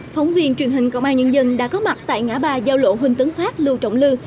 phóng viên truyền hình công an nhân dân đã có mặt tại ngã ba giao lộ huỳnh tấn pháp lưu trọng lư